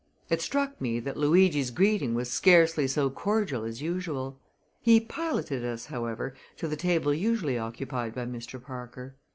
It struck me that Luigi's greeting was scarcely so cordial as usual. He piloted us, however, to the table usually occupied by Mr. Parker.